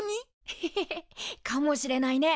ヘヘヘヘかもしれないね。